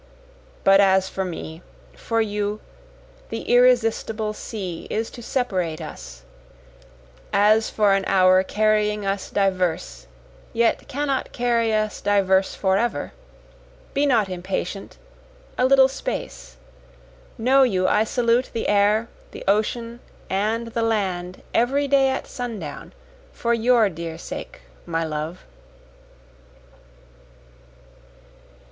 But as for me, for you, the irresistible sea is to separate us, As for an hour carrying us diverse, yet cannot carry us diverse forever; Be not impatient a little space know you I salute the air, the ocean and the land, Every day at sundown for your dear sake my love.